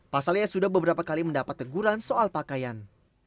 pasalnya sudah beberapa kali mendapat teguran soal pakaian